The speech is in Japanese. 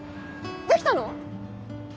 できたの？